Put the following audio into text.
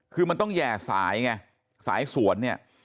คือมันต้องแห่สายไงสายสวนเนี่ย